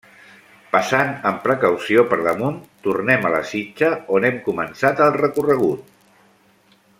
Passant amb precaució per damunt, tornem a la sitja on hem començat el recorregut.